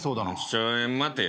ちょっ待てよ。